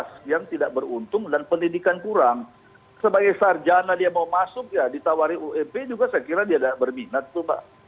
sebagai sarjana dia mau masuk ya ditawari ump juga saya kira dia berminat tuh pak